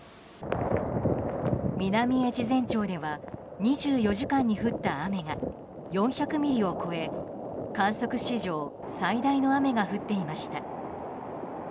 南越前町では２４時間に降った雨が４００ミリを超え観測史上最大の雨が降っていました。